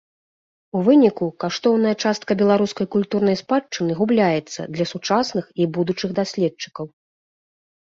У выніку, каштоўная частка беларускай культурнай спадчыны губляецца для сучасных і будучых даследчыкаў.